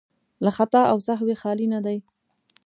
له خطا او سهوی خالي نه دي.